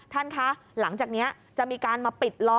ท่านคะหลังจากนี้จะมีการมาปิดล้อ